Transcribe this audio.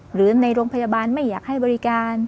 หรือในโรงพยาบาลไม่อยากให้บริการ